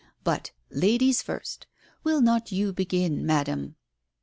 But, ladies first I Will not you begin, Madam?"